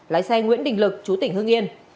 lái xe nguyễn đình lực chú tỉnh hưng yên